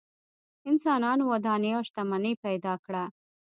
انسانانو ودانۍ او شتمنۍ پیدا کړه.